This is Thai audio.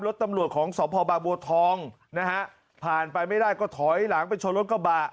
รถตำรวจของสพบางบัวทองนะฮะผ่านไปไม่ได้ก็ถอยหลังไปชนรถกระบะ